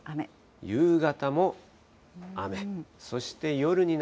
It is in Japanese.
夕方も雨。